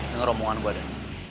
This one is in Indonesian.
dengar omongan gue deh